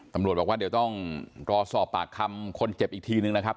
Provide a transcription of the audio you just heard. ตำรวจบอกว่าเดี๋ยวต้องรอสอบปากคำคนเจ็บอีกทีนึงนะครับ